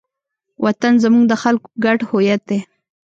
وطن زموږ د خلکو ګډ هویت دی.